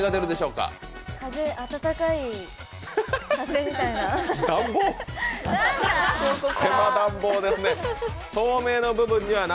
暖かい風みたいな。